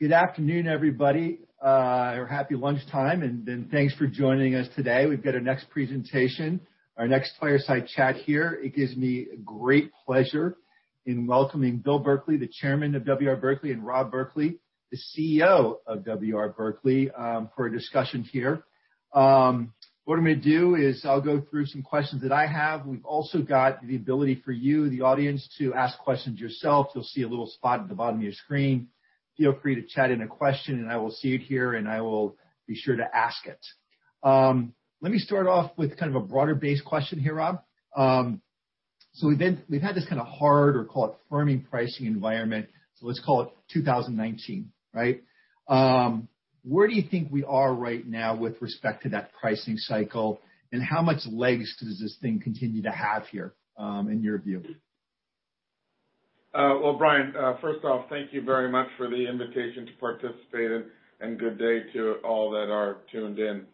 Good afternoon, everybody, or happy lunchtime, and thanks for joining us today. We've got our next presentation, our next fireside chat here. It gives me great pleasure in welcoming Bill Berkley, the Chairman of W. R. Berkley, and Rob Berkley, the CEO of W. R. Berkley, for a discussion here. What I'm going to do is I'll go through some questions that I have. We've also got the ability for you, the audience, to ask questions yourselves. You'll see a little spot at the bottom of your screen. Feel free to chat in a question and I will see it here, and I will be sure to ask it. Let me start off with kind of a broader base question here, Rob. We've had this kind of hard or call it firming pricing environment, so let's call it 2019, right? Where do you think we are right now with respect to that pricing cycle, and how much legs does this thing continue to have here, in your view? Well, Brian, first off, thank you very much for the invitation to participate and good day to all that are tuned in.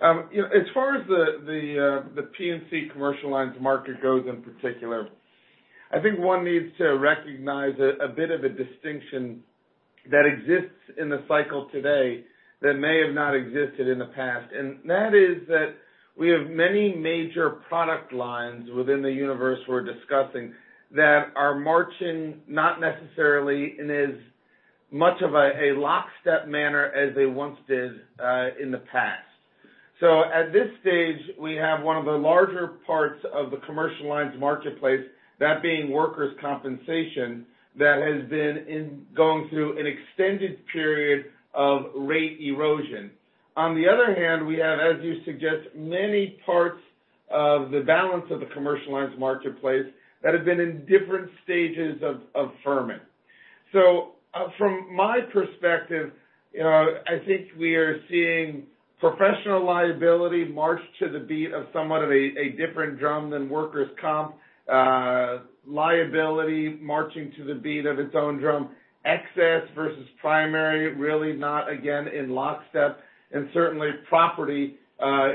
As far as the P&C commercial lines market goes in particular, I think one needs to recognize a bit of a distinction that exists in the cycle today that may have not existed in the past. That is that we have many major product lines within the universe we're discussing that are marching not necessarily in as much of a lockstep manner as they once did in the past. At this stage, we have one of the larger parts of the commercial lines marketplace, that being workers' compensation, that has been going through an extended period of rate erosion. On the other hand, we have, as you suggest, many parts of the balance of the commercial lines marketplace that have been in different stages of firming. From my perspective, I think we are seeing professional liability march to the beat of somewhat of a different drum than workers' comp. Liability marching to the beat of its own drum. Excess versus primary, really not, again, in lockstep, and certainly property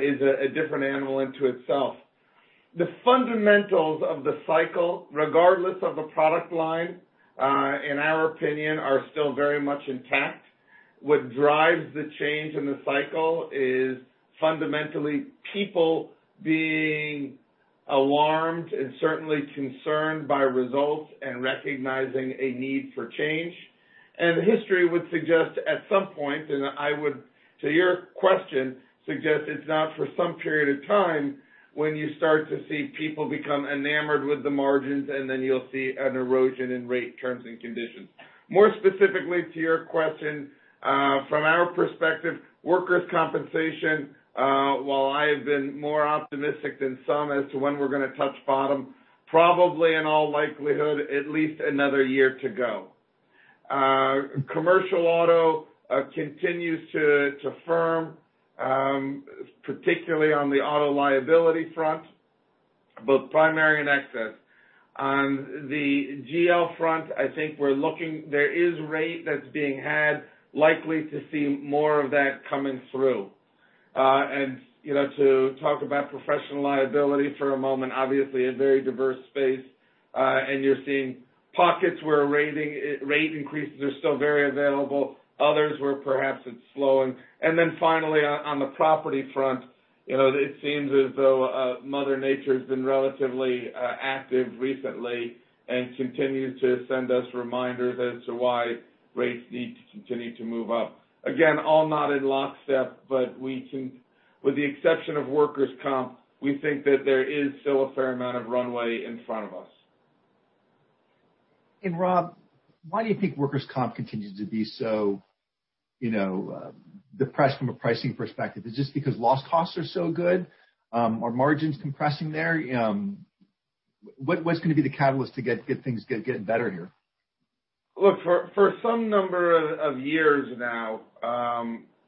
is a different animal into itself. The fundamentals of the cycle, regardless of the product line, in our opinion, are still very much intact. What drives the change in the cycle is fundamentally people being alarmed and certainly concerned by results and recognizing a need for change. History would suggest at some point, and I would, to your question, suggest it's not for some period of time when you start to see people become enamored with the margins and then you'll see an erosion in rate terms and conditions. More specifically to your question, from our perspective, workers' compensation, while I have been more optimistic than some as to when we're going to touch bottom, probably in all likelihood, at least another year to go. Commercial auto continues to firm, particularly on the auto liability front, both primary and excess. On the GL front, I think we're looking, there is rate that's being had, likely to see more of that coming through. To talk about professional liability for a moment, obviously a very diverse space. You're seeing pockets where rate increases are still very available, others where perhaps it's slowing. Finally, on the property front, it seems as though Mother Nature's been relatively active recently and continues to send us reminders as to why rates need to continue to move up. Again, all not in lockstep, but with the exception of workers' comp, we think that there is still a fair amount of runway in front of us. Rob, why do you think workers' comp continues to be so depressed from a pricing perspective? Is it just because loss costs are so good? Are margins compressing there? What's going to be the catalyst to get things getting better here? Look, for some number of years now,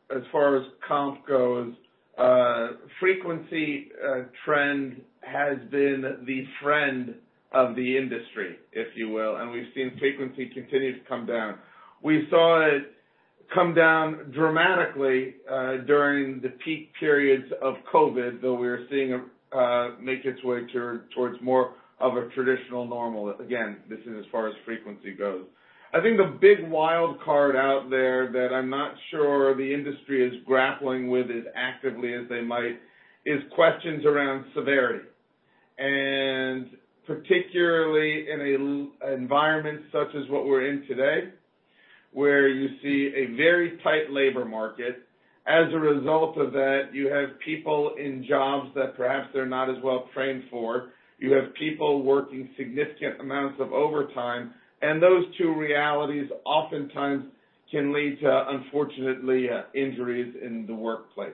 as far as comp goes, frequency trend has been the friend of the industry, if you will, we've seen frequency continue to come down. We saw it come down dramatically during the peak periods of COVID, though we're seeing it make its way towards more of a traditional normal. Again, this is as far as frequency goes. I think the big wild card out there that I'm not sure the industry is grappling with as actively as they might is questions around severity. Particularly in an environment such as what we're in today, where you see a very tight labor market. As a result of that, you have people in jobs that perhaps they're not as well trained for. You have people working significant amounts of overtime, those two realities oftentimes can lead to, unfortunately, injuries in the workplace.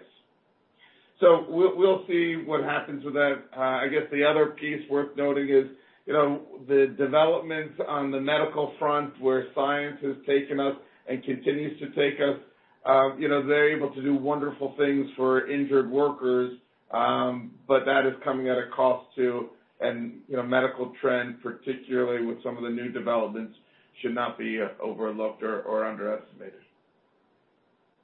We'll see what happens with that. I guess the other piece worth noting is the developments on the medical front where science has taken us and continues to take us. They're able to do wonderful things for injured workers, but that is coming at a cost, too. Medical trend, particularly with some of the new developments, should not be overlooked or underestimated.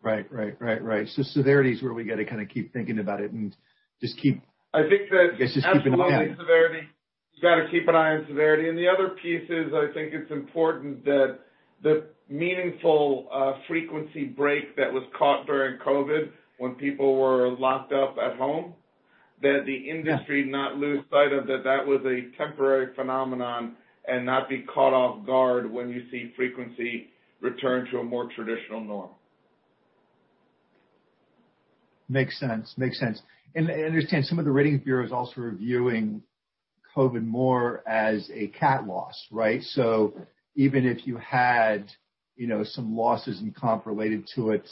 Right. Severity is where we got to kind of keep thinking about it. I think that- I guess just keeping an eye. Absolutely, severity, you got to keep an eye on severity. The other piece is, I think it's important that the meaningful frequency break that was caught during COVID when people were locked up at home, that the industry not lose sight of that was a temporary phenomenon and not be caught off guard when you see frequency return to a more traditional norm. Makes sense. I understand some of the rating bureaus also reviewing COVID more as a CAT loss, right? Even if you had some losses in comp related to it,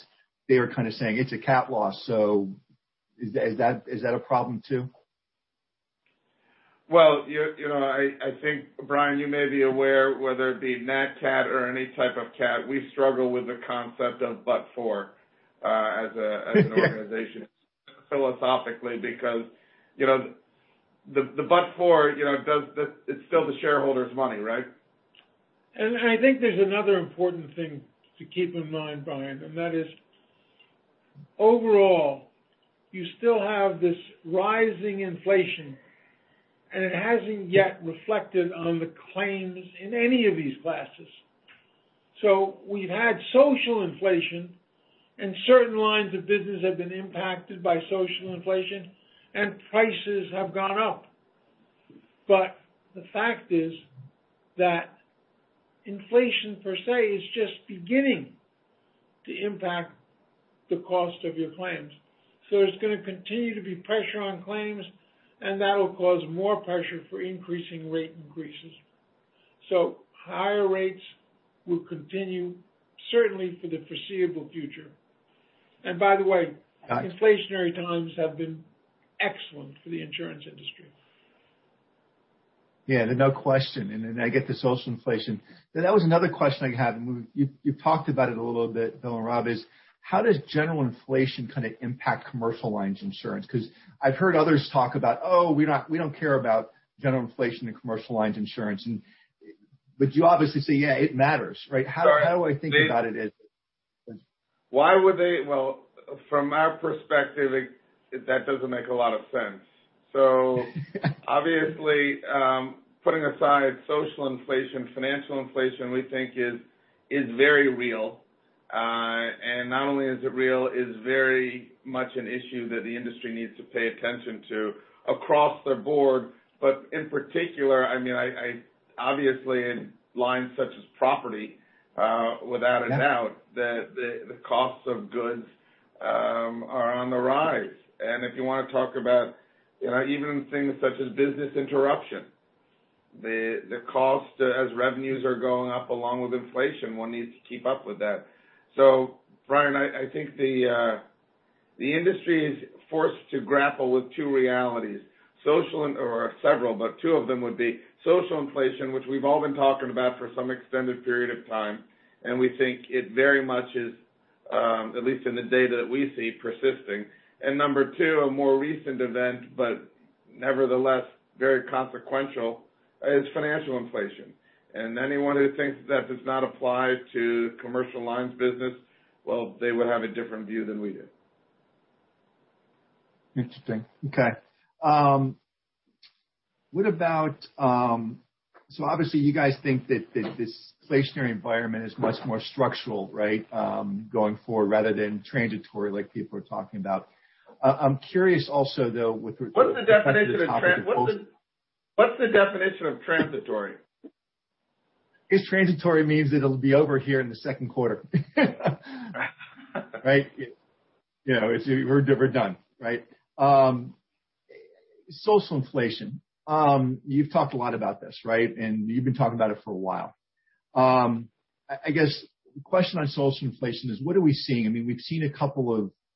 they're kind of saying it's a CAT loss. Is that a problem too? Well, I think, Brian, you may be aware whether it be nat cat or any type of CAT, we struggle with the concept of but for, as an organization philosophically because the but for, it's still the shareholder's money, right? I think there's another important thing to keep in mind, Brian. That is, overall, you still have this rising inflation, and it hasn't yet reflected on the claims in any of these classes. We've had social inflation, and certain lines of business have been impacted by social inflation, and prices have gone up. The fact is that inflation per se is just beginning to impact the cost of your claims. There's going to continue to be pressure on claims, and that'll cause more pressure for increasing rate increases. Higher rates will continue, certainly for the foreseeable future. By the way. Got it Inflationary times have been excellent for the insurance industry. Yeah, no question. I get the social inflation. That was another question I had, and you've talked about it a little bit, Bill and Rob, is how does general inflation kind of impact commercial lines insurance? Because I've heard others talk about, "Oh, we don't care about general inflation and commercial lines insurance." You obviously say, yeah, it matters, right? How do I think about it as- Why would they Well, from our perspective, that doesn't make a lot of sense. Obviously, putting aside social inflation, financial inflation, we think is very real. Not only is it real, it's very much an issue that the industry needs to pay attention to across the board, but in particular, obviously in lines such as property, without a doubt- Yeah. ...the costs of goods are on the rise. If you want to talk about even things such as business interruption, the cost as revenues are going up along with inflation, one needs to keep up with that. Brian, I think the industry is forced to grapple with two realities, or several, but two of them would be social inflation, which we've all been talking about for some extended period of time, and we think it very much is, at least in the data that we see, persisting. Number two, a more recent event, but nevertheless very consequential, is financial inflation. Anyone who thinks that does not apply to commercial lines business, well, they would have a different view than we do. Interesting. Okay. Obviously you guys think that this inflationary environment is much more structural, right, going forward rather than transitory like people are talking about. I'm curious also, though. What's the definition of transitory? Transitory means it'll be over here in the second quarter. Right? We're done. Social inflation. You've talked a lot about this, right? You've been talking about it for a while. I guess the question on social inflation is what are we seeing?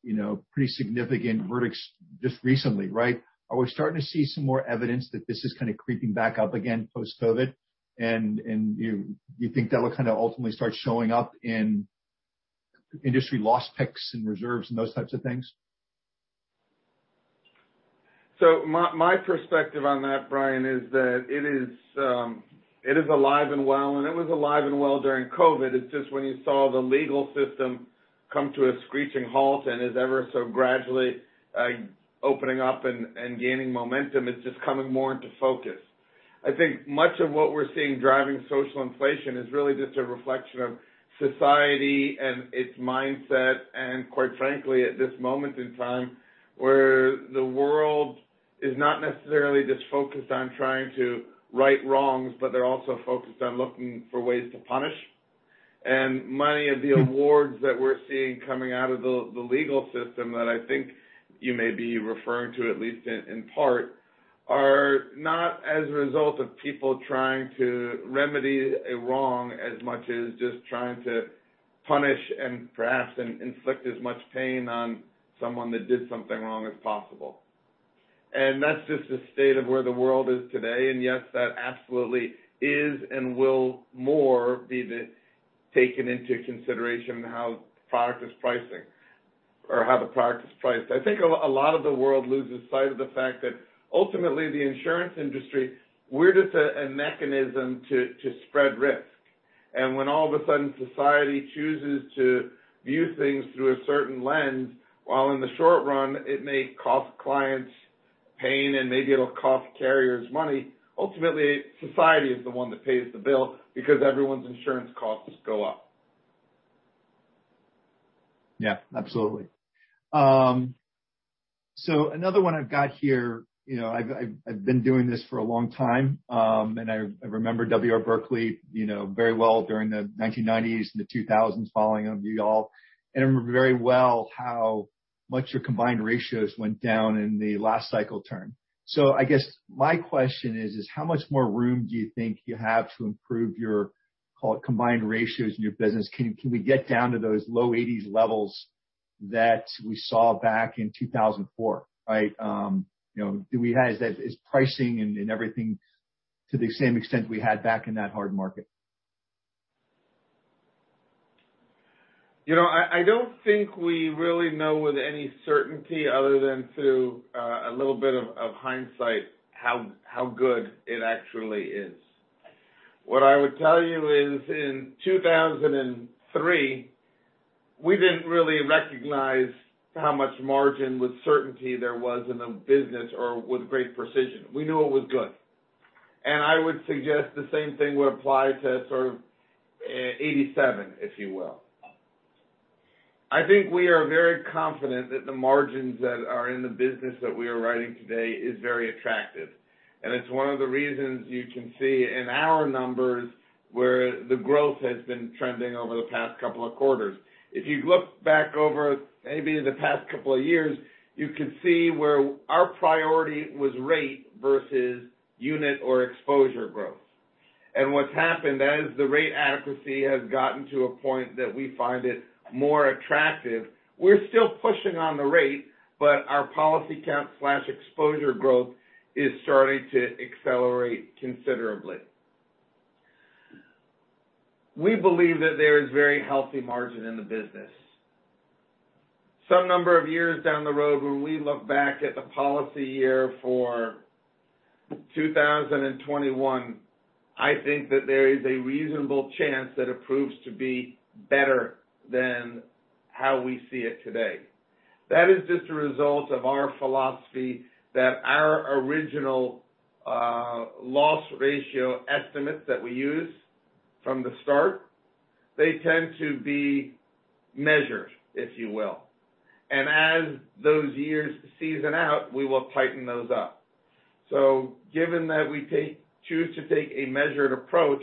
We've seen a couple of pretty significant verdicts just recently, right? Are we starting to see some more evidence that this is kind of creeping back up again post-COVID? You think that will kind of ultimately start showing up in industry loss picks and reserves and those types of things? My perspective on that, Brian, is that it is alive and well, and it was alive and well during COVID. It's just when you saw the legal system come to a screeching halt and is ever so gradually opening up and gaining momentum, it's just coming more into focus. I think much of what we're seeing driving social inflation is really just a reflection of society and its mindset, and quite frankly, at this moment in time, where the world is not necessarily just focused on trying to right wrongs, but they're also focused on looking for ways to punish. Many of the awards that we're seeing coming out of the legal system that I think you may be referring to, at least in part, are not as a result of people trying to remedy a wrong as much as just trying to punish and perhaps inflict as much pain on someone that did something wrong as possible. That's just the state of where the world is today, and yes, that absolutely is and will more be taken into consideration how the product is priced. I think a lot of the world loses sight of the fact that ultimately the insurance industry, we're just a mechanism to spread risk. When all of a sudden society chooses to view things through a certain lens, while in the short run it may cost clients pain and maybe it'll cost carriers money, ultimately, society is the one that pays the bill because everyone's insurance costs go up. Yeah, absolutely. Another one I've got here, I've been doing this for a long time. I remember W. R. Berkley very well during the 1990s and the 2000s following of you all, and I remember very well how much your combined ratios went down in the last cycle turn. I guess my question is how much more room do you think you have to improve your combined ratios in your business? Can we get down to those low 80s levels that we saw back in 2004, right? Do we have, is pricing and everything to the same extent we had back in that hard market? I don't think we really know with any certainty other than through a little bit of hindsight how good it actually is. What I would tell you is in 2003, we didn't really recognize how much margin with certainty there was in the business or with great precision. We knew it was good. I would suggest the same thing would apply to sort of 1987, if you will. I think we are very confident that the margins that are in the business that we are writing today is very attractive, and it's one of the reasons you can see in our numbers where the growth has been trending over the past couple of quarters. If you look back over maybe the past couple of years, you could see where our priority was rate versus unit or exposure growth. What's happened as the rate adequacy has gotten to a point that we find it more attractive, we're still pushing on the rate, but our policy count/exposure growth is starting to accelerate considerably. We believe that there is very healthy margin in the business. Some number of years down the road, when we look back at the policy year for 2021, I think that there is a reasonable chance that it proves to be better than how we see it today. That is just a result of our philosophy that our original loss ratio estimates that we use from the start, they tend to be measured, if you will. As those years season out, we will tighten those up. Given that we choose to take a measured approach,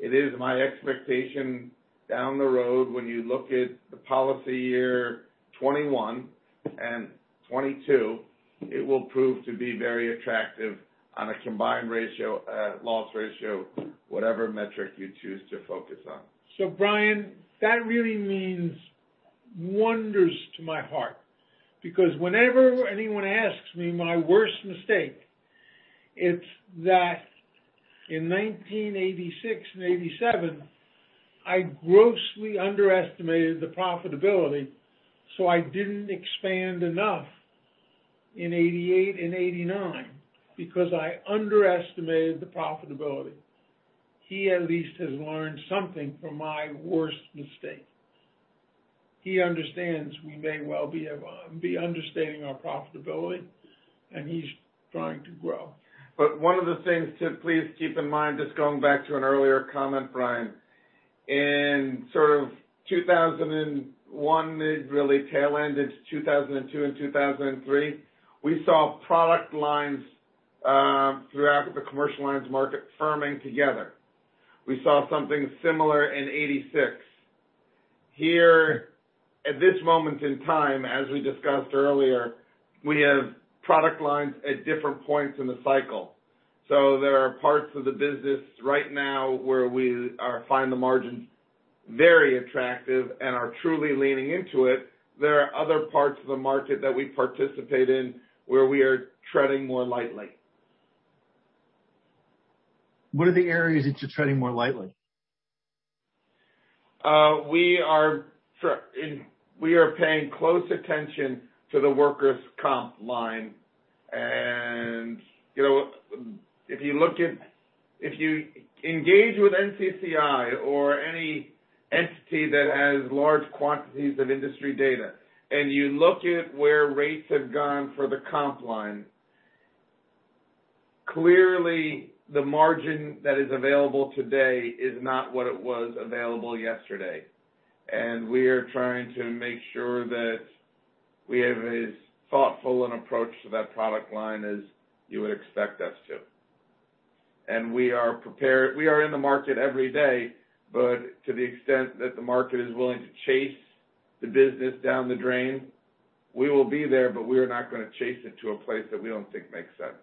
it is my expectation down the road, when you look at the policy year 2021 and 2022, it will prove to be very attractive on a combined ratio, loss ratio, whatever metric you choose to focus on. Brian, that really means wonders to my heart, because whenever anyone asks me my worst mistake, it's that in 1986 and 1987, I grossly underestimated the profitability, I didn't expand enough in 1988 and 1989 because I underestimated the profitability. He at least has learned something from my worst mistake. He understands we may well be understating our profitability, he's trying to grow. One of the things to please keep in mind, just going back to an earlier comment, Brian, in sort of 2001, it really tail-ended to 2002 and 2003, we saw product lines throughout the commercial lines market firming together. We saw something similar in 1986. Here, at this moment in time, as we discussed earlier, we have product lines at different points in the cycle. There are parts of the business right now where we find the margins very attractive and are truly leaning into it. There are other parts of the market that we participate in where we are treading more lightly. What are the areas that you're treading more lightly? We are paying close attention to the workers' comp line. If you engage with NCCI or any entity that has large quantities of industry data, and you look at where rates have gone for the comp line, clearly the margin that is available today is not what it was available yesterday. We are trying to make sure that we have as thoughtful an approach to that product line as you would expect us to. We are prepared. We are in the market every day, but to the extent that the market is willing to chase the business down the drain, we will be there, but we are not going to chase it to a place that we don't think makes sense.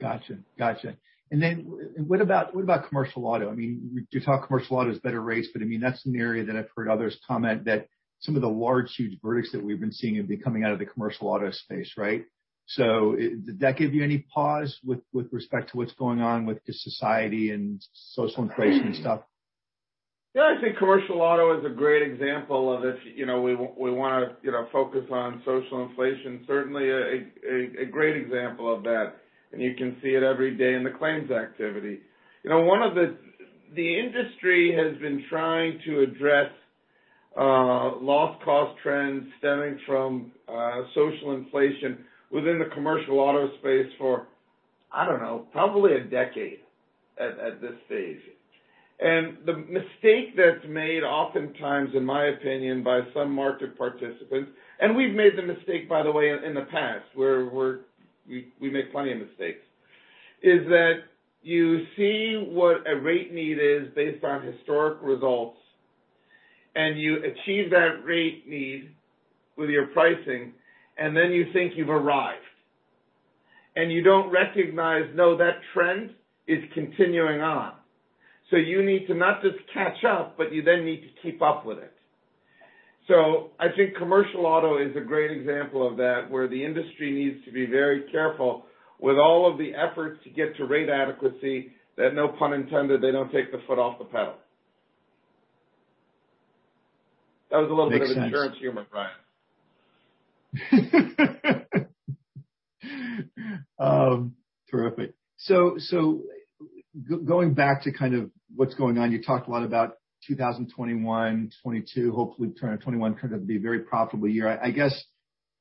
Got you. What about commercial auto? You talk commercial auto is better rates, but that's an area that I've heard others comment that some of the large, huge verdicts that we've been seeing have been coming out of the commercial auto space, right? Did that give you any pause with respect to what's going on with the society and social inflation stuff? Yeah, I think commercial auto is a great example of if we want to focus on social inflation, certainly a great example of that, and you can see it every day in the claims activity. The industry has been trying to address loss cost trends stemming from social inflation within the commercial auto space for, I don't know, probably a decade at this stage. The mistake that's made oftentimes, in my opinion, by some market participants, and we've made the mistake, by the way, in the past, we make plenty of mistakes, is that you see what a rate need is based on historic results, and you achieve that rate need with your pricing, and then you think you've arrived. You don't recognize, no, that trend is continuing on. You need to not just catch up, but you then need to keep up with it. I think commercial auto is a great example of that, where the industry needs to be very careful with all of the efforts to get to rate adequacy, that no pun intended, they don't take their foot off the pedal. That was a little bit. Makes sense. Of insurance humor, Brian. Terrific. Going back to kind of what's going on, you talked a lot about 2021, 2022, hopefully 2021 kind of be a very profitable year. I guess,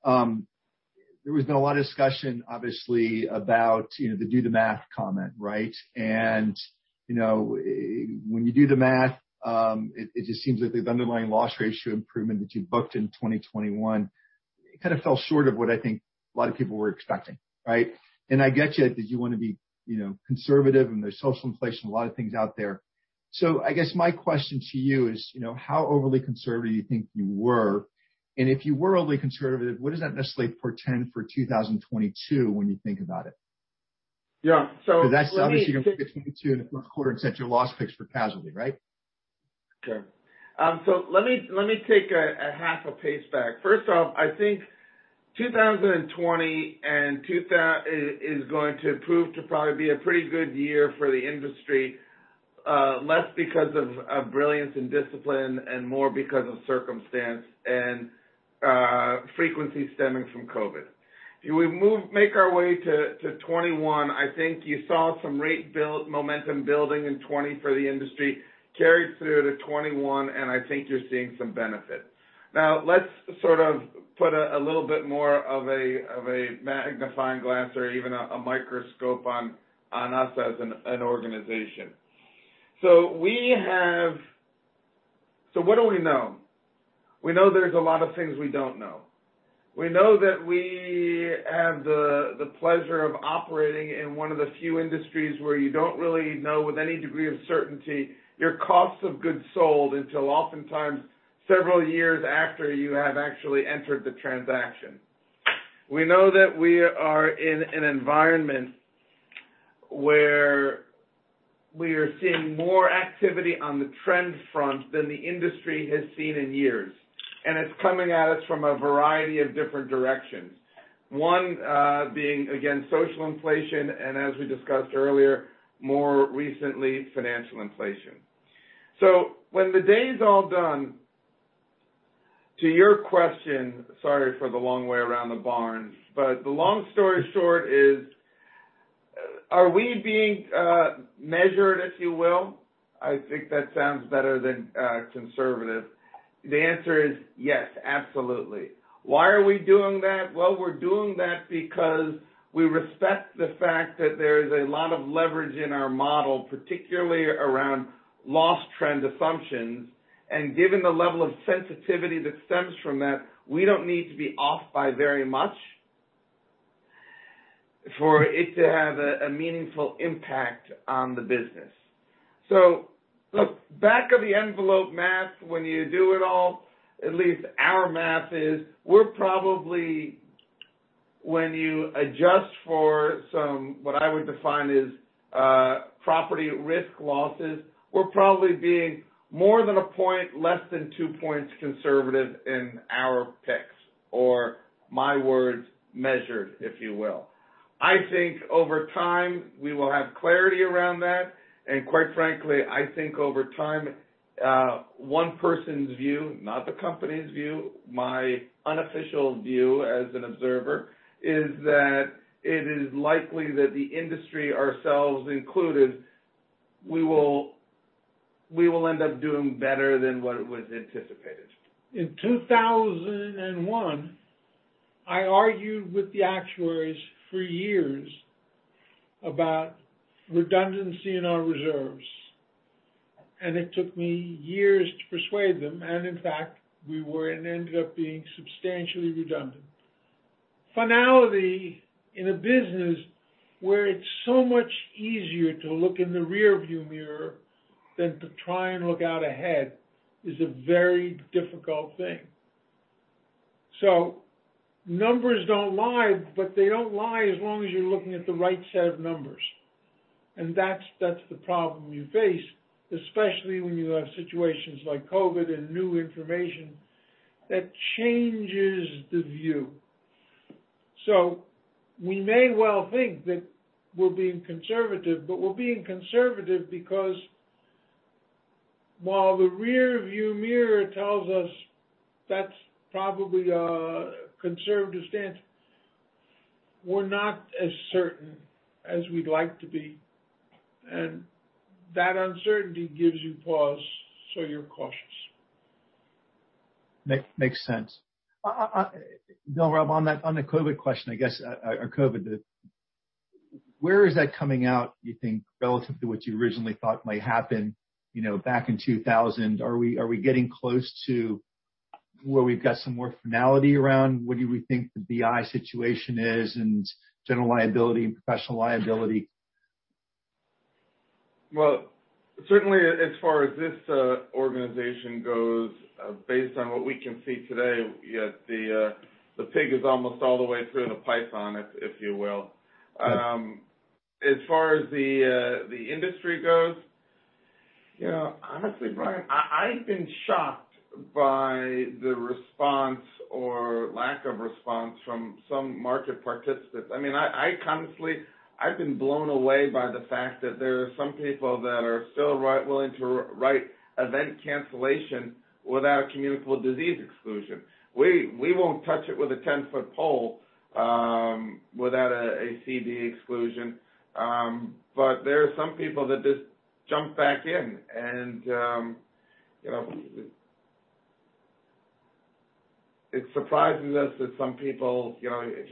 there has been a lot of discussion, obviously, about the do the math comment, right? When you do the math, it just seems like the underlying loss ratio improvement that you booked in 2021, it kind of fell short of what I think a lot of people were expecting, right? I get that you want to be conservative, and there's social inflation, a lot of things out there. I guess my question to you is, how overly conservative you think you were, and if you were overly conservative, what does that necessarily portend for 2022 when you think about it? Yeah. Because that's obviously going to be the tune in the fourth quarter and set your loss picks for casualty, right? Okay. Let me take a half a pace back. First off, I think 2020 is going to prove to probably be a pretty good year for the industry, less because of brilliance and discipline, and more because of circumstance and frequency stemming from COVID. If we make our way to 2021, I think you saw some rate momentum building in 2020 for the industry, carried through to 2021, and I think you're seeing some benefit. Now, let's sort of put a little bit more of a magnifying glass or even a microscope on us as an organization. What do we know? We know there's a lot of things we don't know. We know that we have the pleasure of operating in one of the few industries where you don't really know with any degree of certainty your cost of goods sold until oftentimes several years after you have actually entered the transaction. We know that we are in an environment where we are seeing more activity on the loss trend front than the industry has seen in years, and it's coming at us from a variety of different directions. One being, again, social inflation, and as we discussed earlier, more recently, financial inflation. When the day's all done, to your question, sorry for the long way around the barn, the long story short is, are we being measured, if you will? I think that sounds better than conservative. The answer is yes, absolutely. Why are we doing that? Well, we're doing that because we respect the fact that there is a lot of leverage in our model, particularly around loss trend assumptions. Given the level of sensitivity that stems from that, we don't need to be off by very much for it to have a meaningful impact on the business. Look, back of the envelope math, when you do it all, at least our math is we're probably, when you adjust for some, what I would define as property risk losses, we're probably being more than a point, less than two points conservative in our picks, or my words, measured, if you will. I think over time, we will have clarity around that, quite frankly, I think over time, one person's view, not the company's view, my unofficial view as an observer is that it is likely that the industry ourselves included, we will end up doing better than what was anticipated. In 2001, I argued with the actuaries for years about redundancy in our reserves, it took me years to persuade them, and in fact, we were and ended up being substantially redundant. Finality in a business where it's so much easier to look in the rear view mirror than to try and look out ahead is a very difficult thing. Numbers don't lie, they don't lie as long as you're looking at the right set of numbers. That's the problem you face, especially when you have situations like COVID and new information that changes the view. We may well think that we're being conservative, we're being conservative because while the rear view mirror tells us that's probably a conservative stance, we're not as certain as we'd like to be. That uncertainty gives you pause, you're cautious. Makes sense. Bill, Rob, on the COVID question, I guess, or COVID, where is that coming out, you think, relative to what you originally thought might happen back in 2000? Are we getting close to where we've got some more finality around what do we think the BI situation is and general liability and professional liability? Well, certainly as far as this organization goes, based on what we can see today, the pig is almost all the way through the python, if you will. Right. As far as the industry goes, honestly, Brian, I've been shocked by the response or lack of response from some market participants. I honestly have been blown away by the fact that there are some people that are still willing to write event cancellation without a communicable disease exclusion. We won't touch it with a 10-foot pole without a CD exclusion. There are some people that just jump back in, and it surprises us that some people, if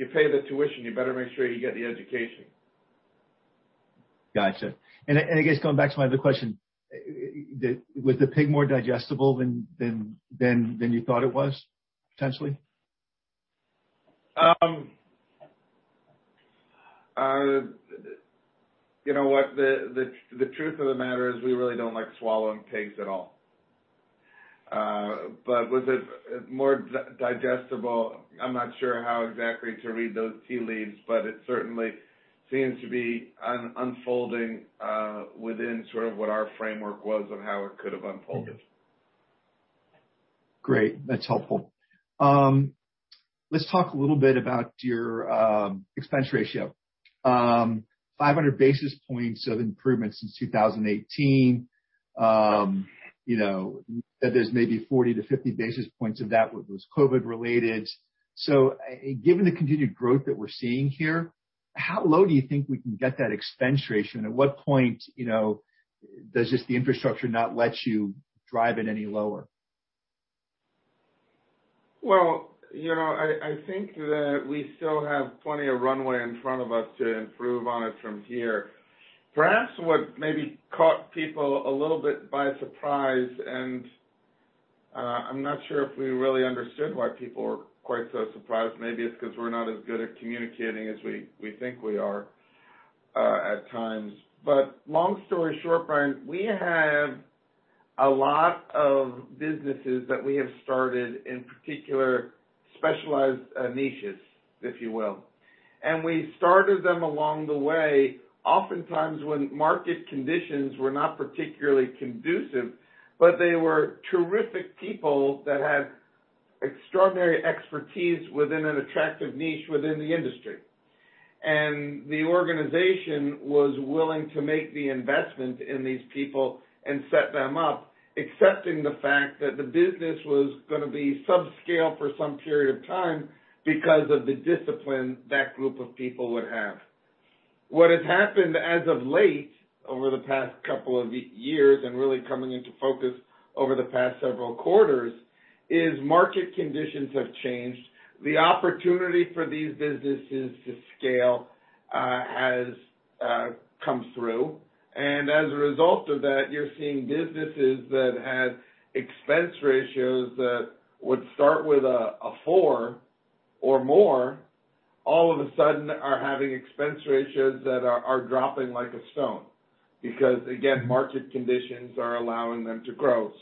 you pay the tuition, you better make sure you get the education. Gotcha. I guess going back to my other question, was the pig more digestible than you thought it was, potentially? You know what? The truth of the matter is we really don't like swallowing pigs at all. Was it more digestible? I'm not sure how exactly to read those tea leaves, it certainly seems to be unfolding within sort of what our framework was of how it could have unfolded. Great. That's helpful. Let's talk a little bit about your expense ratio. 500 basis points of improvement since 2018. That there's maybe 40-50 basis points of that was COVID related. Given the continued growth that we're seeing here, how low do you think we can get that expense ratio, and at what point does just the infrastructure not let you drive it any lower? Well, I think that we still have plenty of runway in front of us to improve on it from here. Perhaps what maybe caught people a little bit by surprise, and I'm not sure if we really understood why people were quite so surprised. Maybe it's because we're not as good at communicating as we think we are at times. Long story short, Brian, we have a lot of businesses that we have started in particular specialized niches, if you will. We started them along the way, oftentimes when market conditions were not particularly conducive, but they were terrific people that had extraordinary expertise within an attractive niche within the industry. The organization was willing to make the investment in these people and set them up, accepting the fact that the business was going to be subscale for some period of time because of the discipline that group of people would have. What has happened as of late over the past couple of years and really coming into focus over the past several quarters, is market conditions have changed. The opportunity for these businesses to scale has come through, and as a result of that, you're seeing businesses that had expense ratios that would start with a four or more, all of a sudden are having expense ratios that are dropping like a stone, because again, market conditions are allowing them to grow.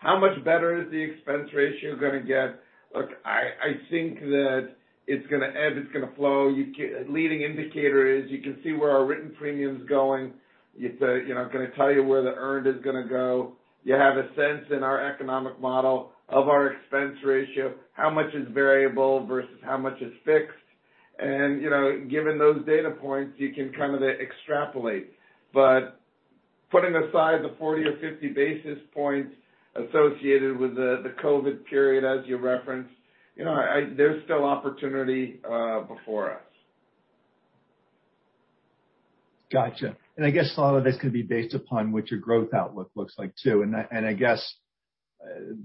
How much better is the expense ratio going to get? Look, I think that it's going to ebb, it's going to flow. Leading indicator is you can see where our written premium's going. It's going to tell you where the earned is going to go. You have a sense in our economic model of our expense ratio, how much is variable versus how much is fixed. Given those data points, you can kind of extrapolate. Putting aside the 40 or 50 basis points associated with the COVID period, as you referenced, there's still opportunity before us. Got you. I guess a lot of this could be based upon what your growth outlook looks like, too. I guess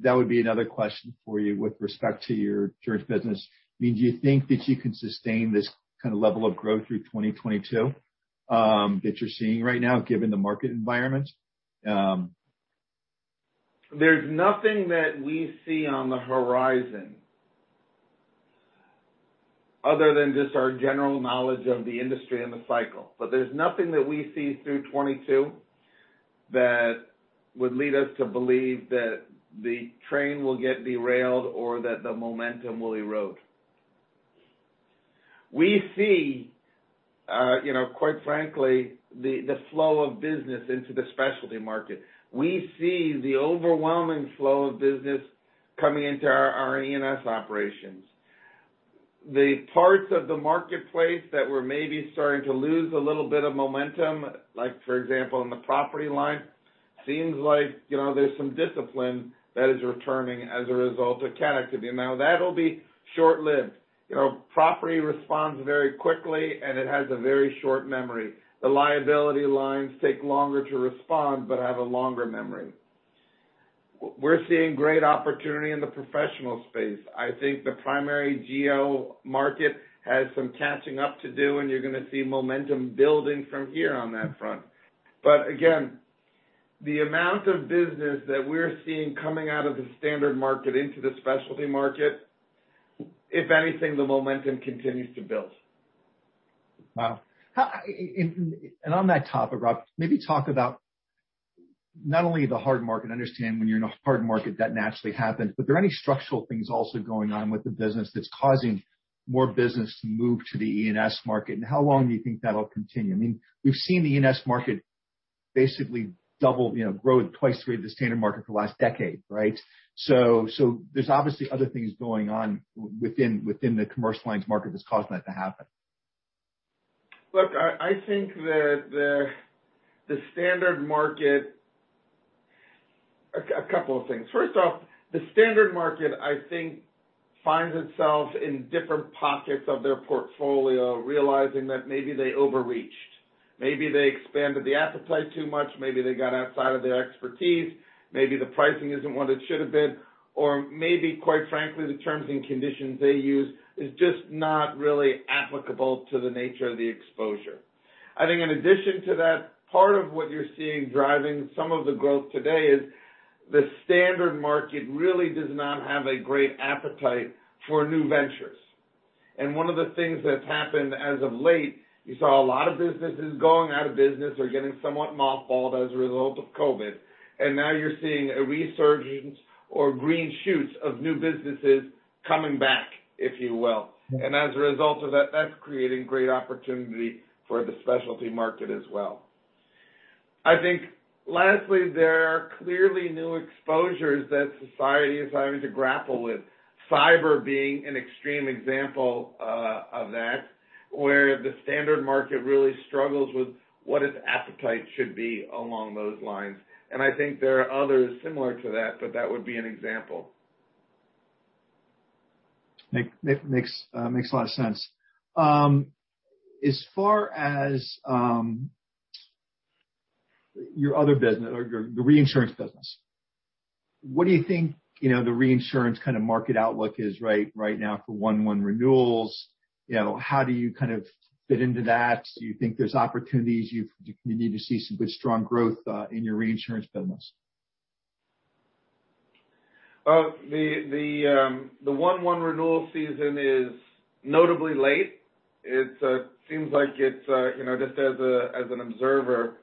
that would be another question for you with respect to your insurance business. Do you think that you can sustain this kind of level of growth through 2022 that you're seeing right now, given the market environment? There's nothing that we see on the horizon other than just our general knowledge of the industry and the cycle. There's nothing that we see through 2022 that would lead us to believe that the train will get derailed or that the momentum will erode. We see, quite frankly, the flow of business into the specialty market. We see the overwhelming flow of business coming into our E&S operations. The parts of the marketplace that were maybe starting to lose a little bit of momentum, like for example, in the property line, seems like there's some discipline that is returning as a result of catastrophe. That'll be short-lived. Property responds very quickly, and it has a very short memory. The liability lines take longer to respond but have a longer memory. We're seeing great opportunity in the professional space. I think the primary D&O market has some catching up to do, and you're going to see momentum building from here on that front. Again, the amount of business that we're seeing coming out of the standard market into the specialty market, if anything, the momentum continues to build. Wow. On that topic, Rob, maybe talk about not only the hard market, I understand when you're in a hard market, that naturally happens, but are there any structural things also going on with the business that's causing more business to move to the E&S market? How long do you think that'll continue? We've seen the E&S market basically double, grow at twice the rate of the standard market for the last decade, right? There's obviously other things going on within the commercial lines market that's causing that to happen. Look, I think the standard market. A couple of things. First off, the standard market, I think, finds itself in different pockets of their portfolio, realizing that maybe they overreached. Maybe they expanded the appetite too much, maybe they got outside of their expertise, maybe the pricing isn't what it should've been, or maybe, quite frankly, the terms and conditions they use is just not really applicable to the nature of the exposure. I think in addition to that, part of what you're seeing driving some of the growth today is the standard market really does not have a great appetite for new ventures. One of the things that's happened as of late, you saw a lot of businesses going out of business or getting somewhat mothballed as a result of COVID. Now you're seeing a resurgence or green shoots of new businesses coming back, if you will. As a result of that's creating great opportunity for the specialty market as well. I think lastly, there are clearly new exposures that society is having to grapple with, cyber being an extreme example of that, where the standard market really struggles with what its appetite should be along those lines. I think there are others similar to that, but that would be an example. Makes a lot of sense. As far as your other business, or the reinsurance business, what do you think the reinsurance market outlook is right now for 1/1 renewals? How do you fit into that? Do you think there's opportunities? Do you need to see some good strong growth in your reinsurance business? The 1/1 renewal season is notably late. Just as an observer,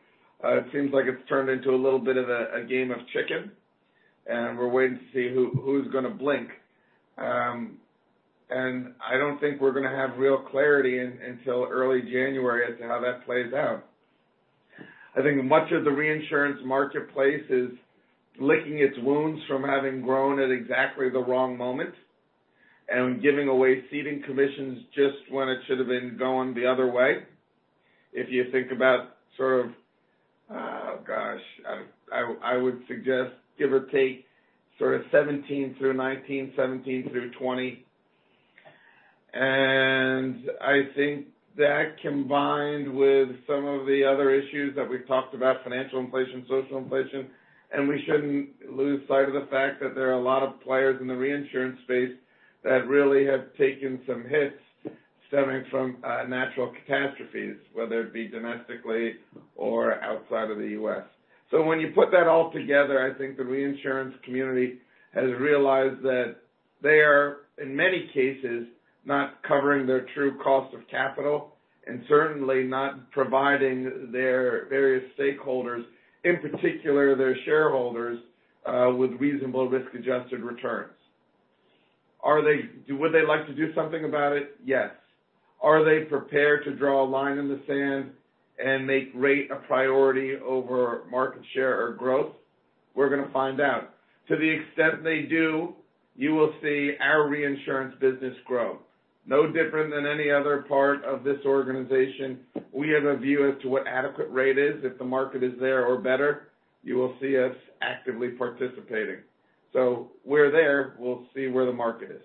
it seems like it's turned into a little bit of a game of chicken, we're waiting to see who's going to blink. I don't think we're going to have real clarity until early January as to how that plays out. I think much of the reinsurance marketplace is licking its wounds from having grown at exactly the wrong moment and giving away ceding commissions just when it should've been going the other way. If you think about sort of, oh, gosh, I would suggest give or take sort of 2017 through 2019, 2017 through 2020. I think that combined with some of the other issues that we've talked about, financial inflation, social inflation, and we shouldn't lose sight of the fact that there are a lot of players in the reinsurance space that really have taken some hits stemming from natural catastrophes, whether it be domestically or outside of the U.S. When you put that all together, I think the reinsurance community has realized that they are, in many cases, not covering their true cost of capital and certainly not providing their various stakeholders, in particular their shareholders, with reasonable risk-adjusted returns. Would they like to do something about it? Yes. Are they prepared to draw a line in the sand and make rate a priority over market share or growth? We're going to find out. To the extent they do, you will see our reinsurance business grow. No different than any other part of this organization, we have a view as to what adequate rate is. If the market is there or better, you will see us actively participating. We're there. We'll see where the market is.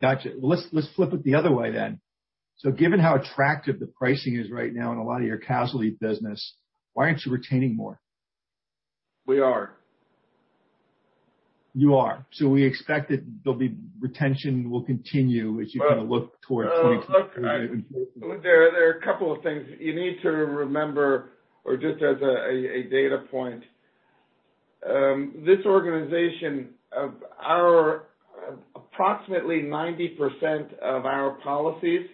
Got you. Let's flip it the other way then. Given how attractive the pricing is right now in a lot of your casualty business, why aren't you retaining more? We are. You are? We expect that there'll be retention will continue as you kind of look toward 2023? Look, there are a couple of things. You need to remember, or just as a data point. This organization, approximately 90% of our policies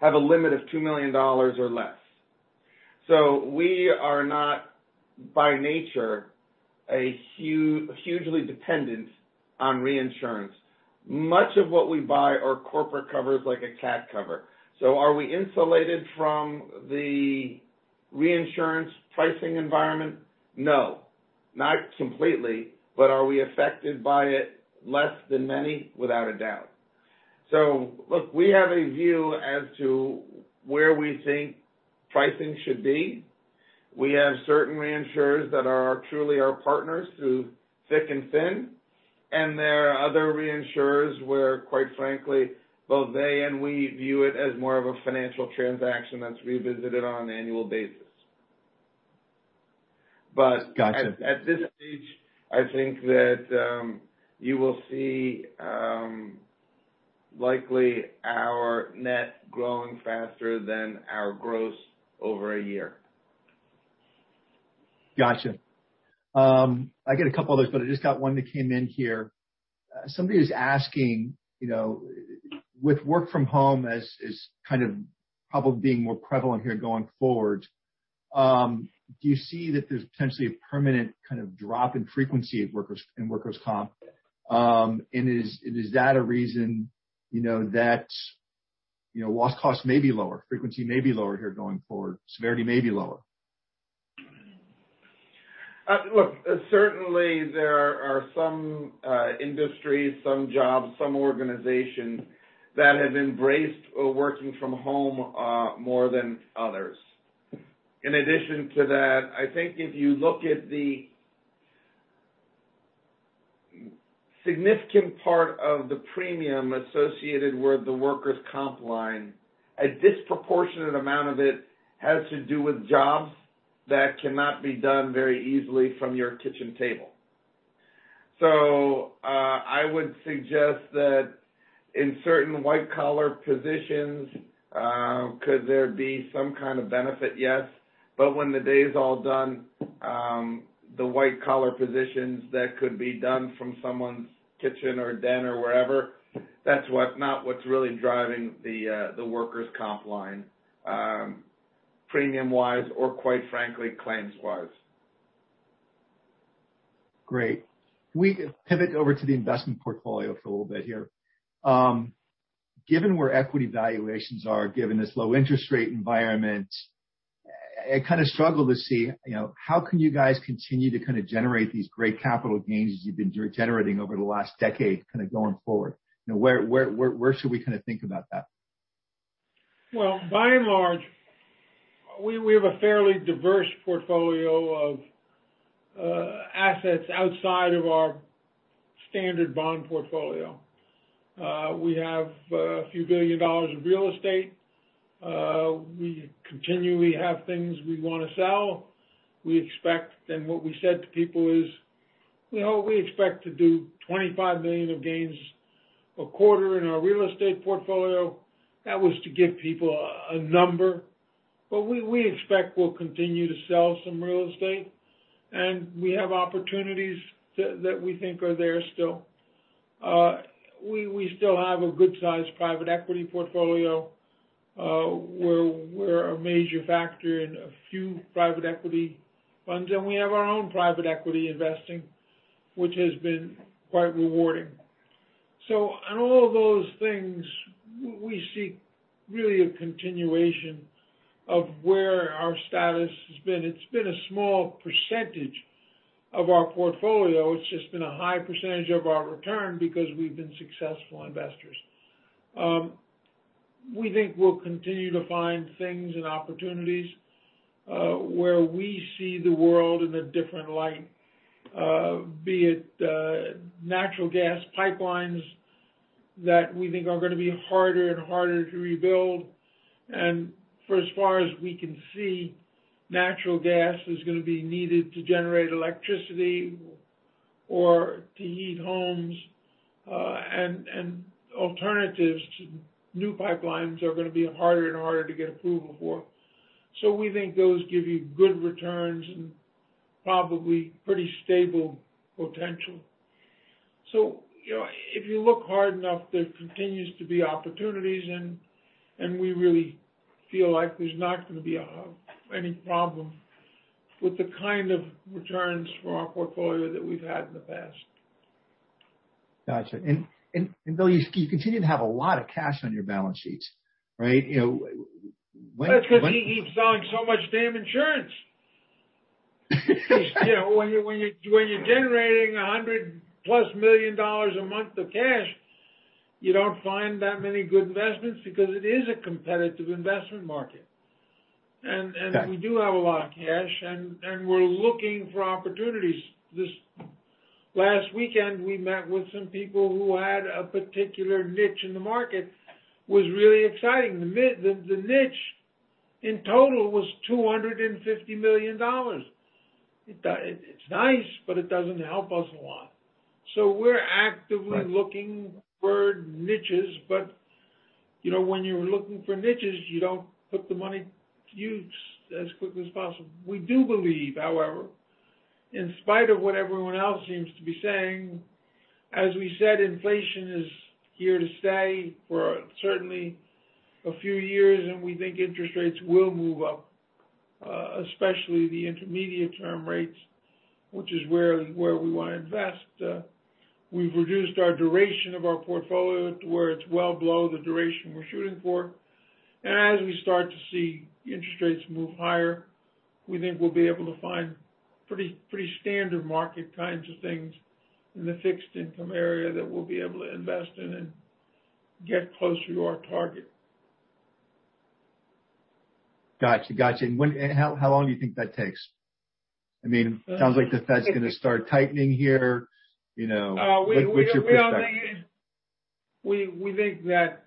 have a limit of $2 million or less. We are not, by nature, hugely dependent on reinsurance. Much of what we buy are corporate covers like a CAT cover. Are we insulated from the reinsurance pricing environment? No, not completely. Are we affected by it less than many? Without a doubt. Look, we have a view as to where we think pricing should be. We have certain reinsurers that are truly our partners through thick and thin, and there are other reinsurers where, quite frankly, both they and we view it as more of a financial transaction that's revisited on an annual basis. Got you. At this stage, I think that you will see likely our net growing faster than our gross over a year. Got you. I get a couple others, but I just got one that came in here. Somebody is asking, with work from home as kind of probably being more prevalent here going forward, do you see that there's potentially a permanent kind of drop in frequency in workers' comp? Is that a reason that loss costs may be lower, frequency may be lower here going forward, severity may be lower? Look, certainly there are some industries, some jobs, some organizations that have embraced working from home more than others. In addition to that, I think if you look at the significant part of the premium associated with the workers' comp line, a disproportionate amount of it has to do with jobs that cannot be done very easily from your kitchen table. I would suggest that in certain white-collar positions, could there be some kind of benefit? Yes. When the day is all done, the white-collar positions that could be done from someone's kitchen or den or wherever, that's not what's really driving the workers' comp line, premium-wise or quite frankly, claims-wise. Great. Can we pivot over to the investment portfolio for a little bit here? Given where equity valuations are, given this low interest rate environment, I kind of struggle to see, how can you guys continue to kind of generate these great capital gains that you've been generating over the last decade kind of going forward? Where should we kind of think about that? Well, by and large, we have a fairly diverse portfolio of assets outside of our standard bond portfolio. We have a few billion dollars of real estate. We continually have things we want to sell. We expect, and what we said to people is, we expect to do $25 million of gains a quarter in our real estate portfolio. That was to give people a number. We expect we'll continue to sell some real estate, and we have opportunities that we think are there still. We still have a good size private equity portfolio. We're a major factor in a few private equity funds, and we have our own private equity investing, which has been quite rewarding. On all of those things, we see really a continuation of where our status has been. It's been a small percentage of our portfolio. It's just been a high percentage of our return because we've been successful investors. We think we'll continue to find things and opportunities where we see the world in a different light. Be it natural gas pipelines that we think are going to be harder and harder to rebuild, and for as far as we can see, natural gas is going to be needed to generate electricity or to heat homes. Alternatives to new pipelines are going to be harder and harder to get approval for. We think those give you good returns and probably pretty stable potential. If you look hard enough, there continues to be opportunities, and we really feel like there's not going to be any problem with the kind of returns from our portfolio that we've had in the past. Got you. Bill, you continue to have a lot of cash on your balance sheets, right? That's because he keeps selling so much damn insurance. When you're generating $100+ million a month of cash, you don't find that many good investments because it is a competitive investment market. Got it. We do have a lot of cash, and we're looking for opportunities. This last weekend, we met with some people who had a particular niche in the market. Was really exciting. The niche in total was $250 million. It's nice, but it doesn't help us a lot. We're actively looking for niches. When you're looking for niches, you don't put the money to use as quickly as possible. We do believe, however, in spite of what everyone else seems to be saying, as we said, inflation is here to stay for certainly a few years, and we think interest rates will move up, especially the intermediate term rates, which is where we want to invest. We've reduced our duration of our portfolio to where it's well below the duration we're shooting for. As we start to see interest rates move higher, we think we'll be able to find pretty standard market kinds of things in the fixed income area that we'll be able to invest in and get closer to our target. Got you. How long do you think that takes? Sounds like the Fed's going to start tightening here. What's your perspective? We think that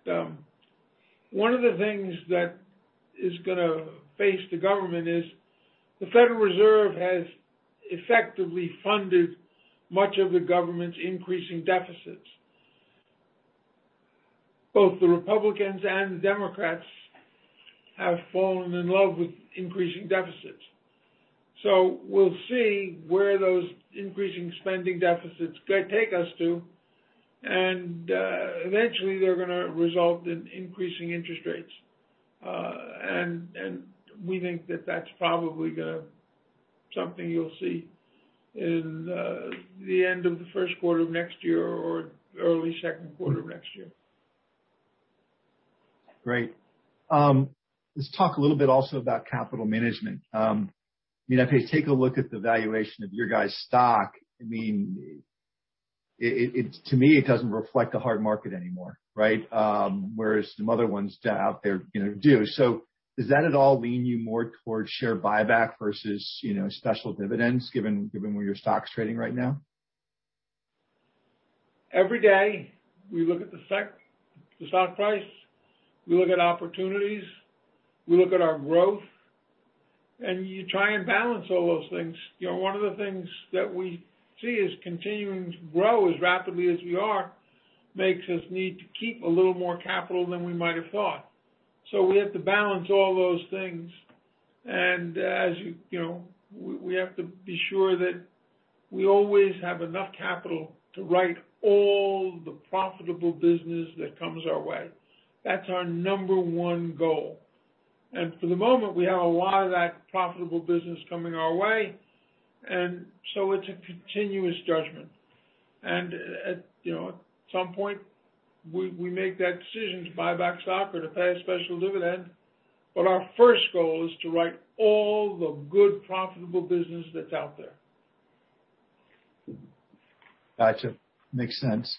one of the things that is going to face the government is the Federal Reserve has effectively funded much of the government's increasing deficits. Both the Republicans and the Democrats have fallen in love with increasing deficits. We'll see where those increasing spending deficits take us to, and eventually they're going to result in increasing interest rates. We think that that's probably something you'll see in the end of the first quarter of next year or early second quarter of next year. Great. Let's talk a little bit also about capital management. If I take a look at the valuation of your guys' stock, to me, it doesn't reflect a hard market anymore, right? Whereas some other ones out there do. Does that at all lean you more towards share buyback versus special dividends, given where your stock's trading right now? Every day, we look at the stock price, we look at opportunities, we look at our growth, and you try and balance all those things. One of the things that we see is continuing to grow as rapidly as we are makes us need to keep a little more capital than we might have thought. We have to balance all those things. We have to be sure that we always have enough capital to write all the profitable business that comes our way. That's our number one goal. For the moment, we have a lot of that profitable business coming our way. It's a continuous judgment. At some point, we make that decision to buy back stock or to pay a special dividend. Our first goal is to write all the good profitable business that's out there. Got you. Makes sense.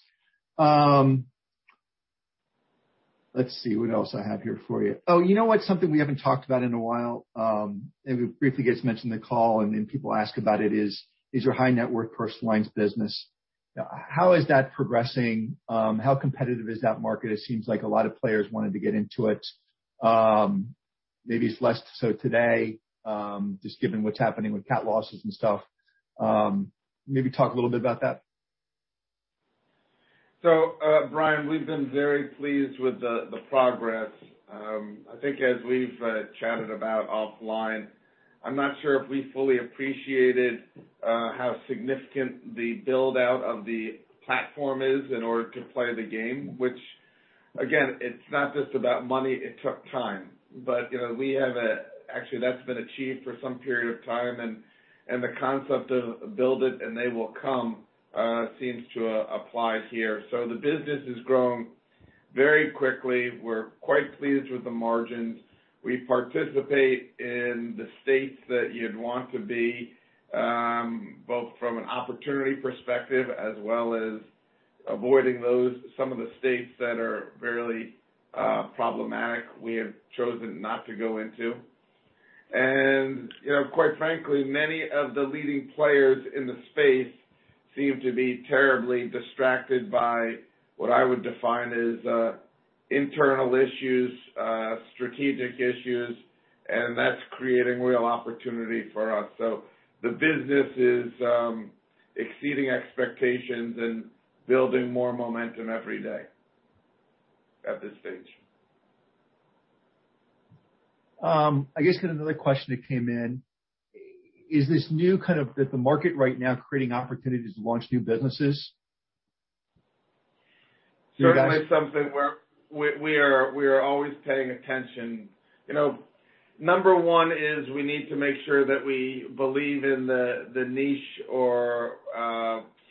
Let's see what else I have here for you. Oh, you know what's something we haven't talked about in a while? It briefly gets mentioned in the call and then people ask about it is your High-Net-Worth Personal Lines business. How is that progressing? How competitive is that market? It seems like a lot of players wanted to get into it. Maybe it's less so today, just given what's happening with cat losses and stuff. Maybe talk a little bit about that. Brian, we've been very pleased with the progress. I think as we've chatted about offline, I'm not sure if we fully appreciated how significant the build-out of the platform is in order to play the game. Which, again, it's not just about money, it took time. Actually that's been achieved for some period of time, and the concept of build it and they will come seems to apply here. The business has grown very quickly. We're quite pleased with the margins. We participate in the states that you'd want to be, both from an opportunity perspective as well as avoiding some of the states that are fairly problematic, we have chosen not to go into. Quite frankly, many of the leading players in the space seem to be terribly distracted by what I would define as internal issues, strategic issues, and that's creating real opportunity for us. The business is exceeding expectations and building more momentum every day at this stage. I guess kind of another question that came in. Is this new kind of the market right now creating opportunities to launch new businesses? Certainly something where we are always paying attention. Number 1 is we need to make sure that we believe in the niche or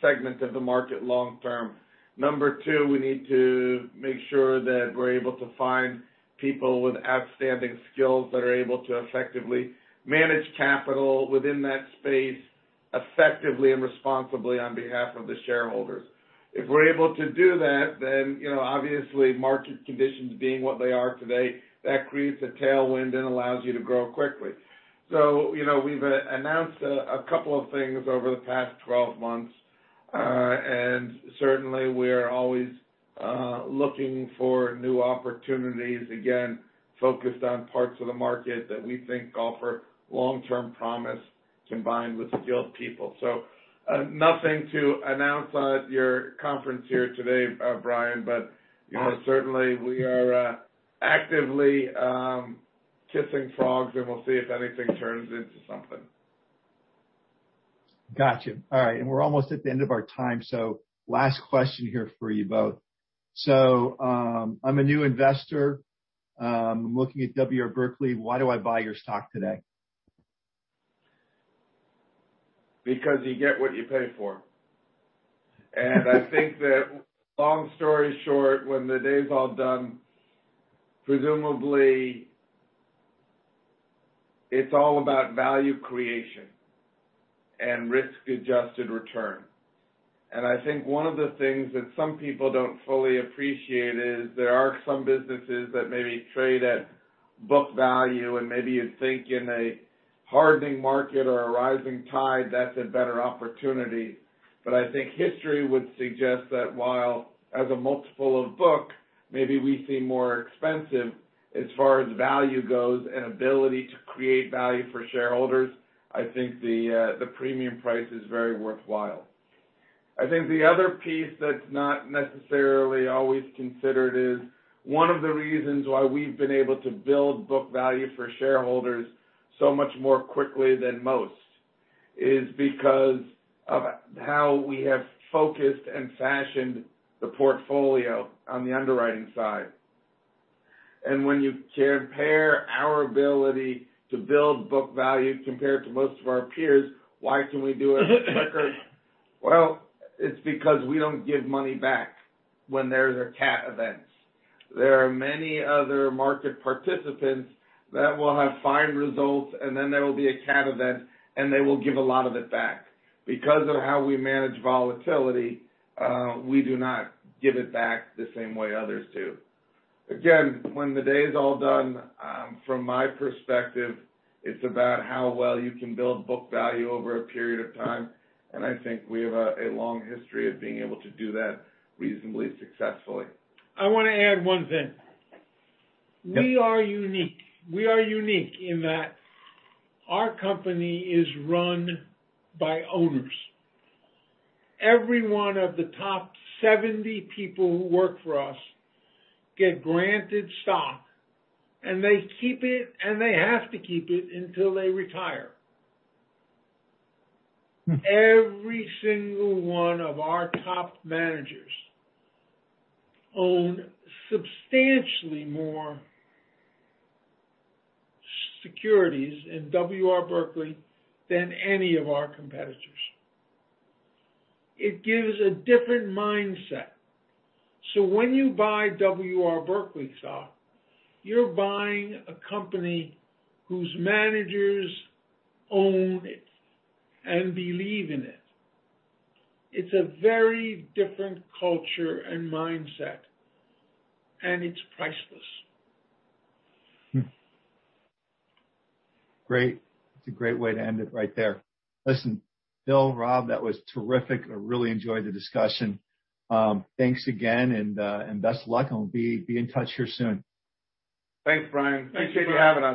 segment of the market long term. Number 2, we need to make sure that we're able to find people with outstanding skills that are able to effectively manage capital within that space effectively and responsibly on behalf of the shareholders. If we're able to do that, obviously market conditions being what they are today, that creates a tailwind and allows you to grow quickly. We've announced a couple of things over the past 12 months. Certainly we're always looking for new opportunities, again, focused on parts of the market that we think offer long-term promise combined with skilled people. Nothing to announce at your conference here today, Brian, but certainly we are actively kissing frogs, and we'll see if anything turns into something. Got you. All right, we're almost at the end of our time, last question here for you both. I'm a new investor. I'm looking at W. R. Berkley. Why do I buy your stock today? You get what you pay for. I think that, long story short, when the day's all done, presumably it's all about value creation and risk-adjusted return. I think one of the things that some people don't fully appreciate is there are some businesses that maybe trade at book value, and maybe you think in a hardening market or a rising tide, that's a better opportunity. I think history would suggest that while as a multiple of book, maybe we seem more expensive as far as value goes and ability to create value for shareholders, I think the premium price is very worthwhile. I think the other piece that's not necessarily always considered is one of the reasons why we've been able to build book value for shareholders so much more quickly than most is because of how we have focused and fashioned the portfolio on the underwriting side. When you compare our ability to build book value compared to most of our peers, why can we do it quicker? Well, it's because we don't give money back when there's a CAT event. There are many other market participants that will have fine results, and then there will be a CAT event, and they will give a lot of it back. How we manage volatility, we do not give it back the same way others do. When the day is all done, from my perspective, it's about how well you can build book value over a period of time, and I think we have a long history of being able to do that reasonably successfully. I want to add one thing. Yeah. We are unique. We are unique in that our company is run by owners. Every one of the top 70 people who work for us get granted stock, and they keep it, and they have to keep it until they retire. Every single one of our top managers own substantially more securities in W. R. Berkley than any of our competitors. It gives a different mindset. When you buy W. R. Berkley stock, you're buying a company whose managers own it and believe in it. It's a very different culture and mindset, and it's priceless. Great. That's a great way to end it right there. Listen, Bill, Rob, that was terrific. I really enjoyed the discussion. Thanks again and best of luck, and we'll be in touch here soon. Thanks, Brian. Thanks for having us.